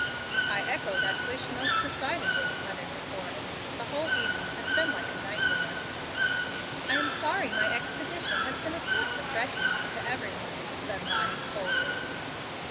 "I echo that wish most decidedly," muttered De Forrest. "The whole evening has been like a nightmare." "I am sorry my expedition has been a source of wretchedness to every one," said Lottie, coldly.